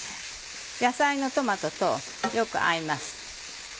野菜のトマトとよく合います。